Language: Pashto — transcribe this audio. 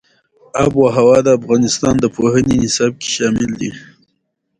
آب وهوا د افغانستان د پوهنې نصاب کې شامل دي.